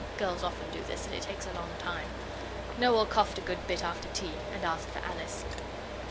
Girls often do this, and it takes a long time. Noel coughed a good bit after tea, and asked for Alice.